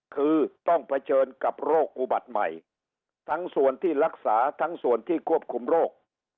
คือต้องเผชิญกับโรคอุบัติใหม่ทั้งส่วนที่รักษาทั้งส่วนที่ควบคุมโรค